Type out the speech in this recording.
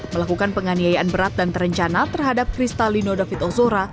melakukan penganiayaan berat dan terencana terhadap kristalino david ozora